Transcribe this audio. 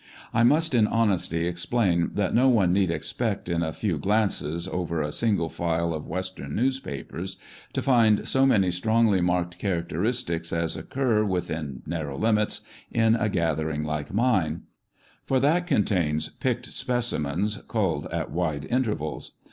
I must, in honesty, explain that no one need expect in a few glances over a single file of western newspapers to find so many strongly marked characteristics as occur, within narrow limits, in a gathering like mine ; for that contains picked specimens culled at wide intervals.